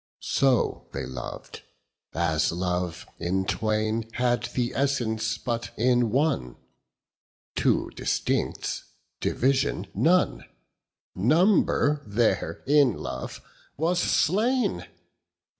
So they loved, as love in twain 25 Had the essence but in one; Two distincts, division none; Number there in love was slain.